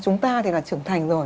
chúng ta thì là trưởng thành rồi